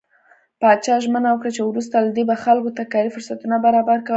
پاچا ژمنه وکړه چې وروسته له دې به خلکو ته کاري فرصتونه برابر کوم .